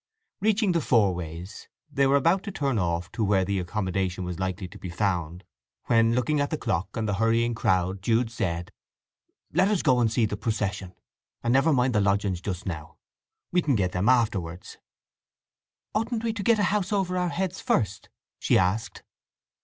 Reaching the Fourways they were about to turn off to where accommodation was likely to be found when, looking at the clock and the hurrying crowd, Jude said: "Let us go and see the procession, and never mind the lodgings just now. We can get them afterwards." "Oughtn't we to get a house over our heads first?" she asked.